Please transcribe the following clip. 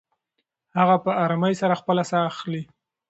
هغه په ارامۍ سره خپله ساه اخلې.